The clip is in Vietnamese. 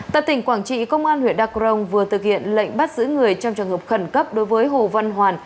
tại tỉnh quảng trị công an huyện đắk crong vừa thực hiện lệnh bắt giữ người trong trường hợp khẩn cấp đối với hồ văn hoàn